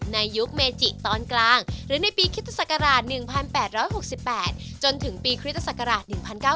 ในยุคเมจิตอนกลางหรือในปีคริสตศักราช๑๘๖๘จนถึงปีคริสตศักราช๑๙๙